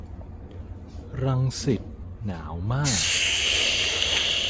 รังสิต หนาวมาก